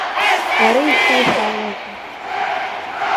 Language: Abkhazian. Уара иахуҳәаауеи?